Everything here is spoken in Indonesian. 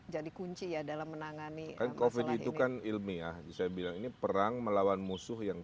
jadi kunci ya dalam menangani dan covid itu kan ilmiah saya bilang ini perang melawan musuh yang